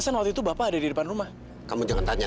sampai jumpa di video selanjutnya